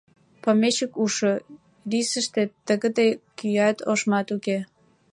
Помещик ужшо: рисыште тыгыде кӱат, ошмат уке.